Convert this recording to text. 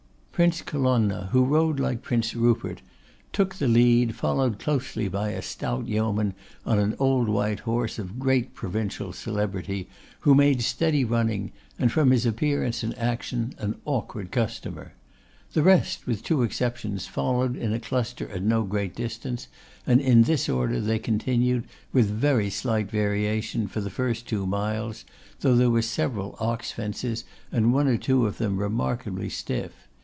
Prince Colonna, who rode like Prince Rupert, took the lead, followed close by a stout yeoman on an old white horse of great provincial celebrity, who made steady running, and, from his appearance and action, an awkward customer. The rest, with two exceptions, followed in a cluster at no great distance, and in this order they continued, with very slight variation, for the first two miles, though there were several ox fences, and one or two of them remarkably stiff.